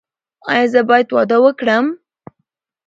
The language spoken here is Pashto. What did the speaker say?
ایا زه باید واده وکړم؟